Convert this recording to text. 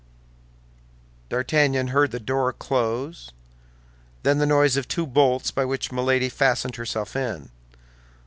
D'Artagnan heard the door close; then the noise of two bolts by which Milady fastened herself in.